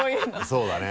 そうだね。